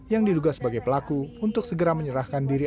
yang diduga sebagai pelaku untuk segera menyerahkan diri